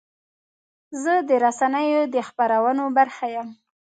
زه د رسنیو د خپرونو برخه یم.